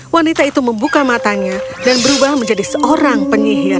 wanita itu membuka matanya dan berubah menjadi seorang penyihir